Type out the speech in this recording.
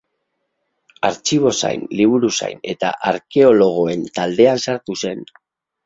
Artxibozain, Liburuzain eta Arkeologoen taldean sartu zen.